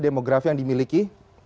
demografi yang dimiliki